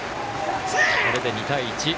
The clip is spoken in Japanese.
これで２対１。